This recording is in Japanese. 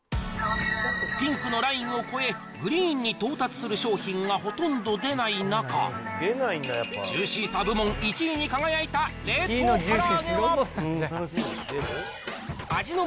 ピンクのラインを越え、グリーンに到達する商品がほとんど出ない中、ジューシーさ部門１位に輝いた冷凍から揚げは。